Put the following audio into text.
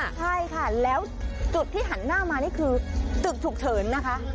ใช่ค่ะแล้วจุดที่หันหน้ามานี่คือตึกฉุกเฉินนะคะ